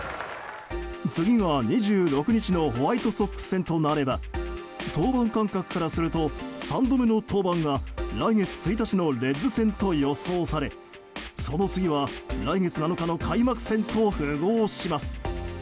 次が２６日のホワイトソックス戦となれば登板間隔からすると３度目の登板が来月１日にレッズ戦と予想されその次は、来月７日の開幕戦と符合します。